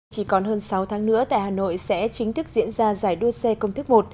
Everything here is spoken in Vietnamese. chỉ còn hơn sáu tháng nữa tại hà nội sẽ chính thức diễn ra giải đua xe công thức một